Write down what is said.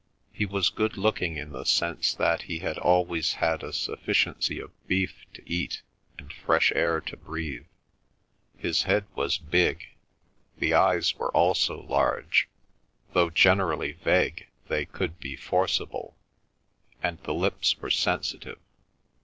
He was good looking in the sense that he had always had a sufficiency of beef to eat and fresh air to breathe. His head was big; the eyes were also large; though generally vague they could be forcible; and the lips were sensitive.